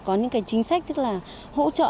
có những cái chính sách tức là hỗ trợ